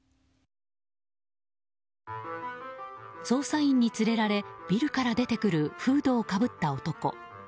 捜査員に連れられビルから出てくるフードをかぶった男。